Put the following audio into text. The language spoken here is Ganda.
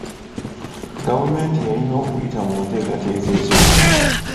Gavumenti yalina okuyita mu nteekateeka eziwera.